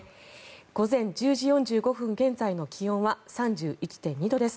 午前１０時４５分現在の気温は３１．２度です。